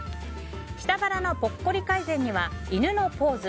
下腹のぽっこり改善には犬のポーズ。